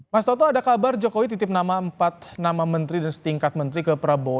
mas toto ada kabar jokowi titip nama empat nama menteri dan setingkat menteri ke prabowo